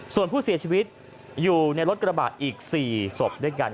ส่วนผู้เสียชีวิตอยู่ในรถกระบะอีก๔ศพด้วยกัน